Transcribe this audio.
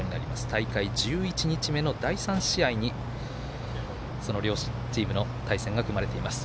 大会１１日目の第３試合に両チームの対戦が組まれています。